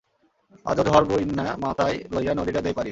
আইজো ঝড় বইন্না মাতায় লইয়া নদীডা দেই পাড়ি।।